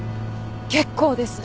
結構です。